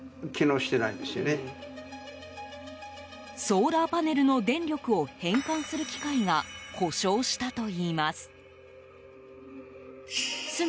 ソーラーパネルの電力を変電する機械が故障したといいます。